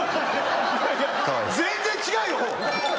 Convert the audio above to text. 全然違うよ！